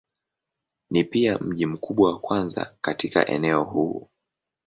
Ni pia mji mkubwa wa kwanza katika eneo huu.